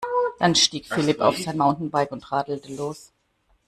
Dann stieg Philipp auf sein Mountainbike und radelte los.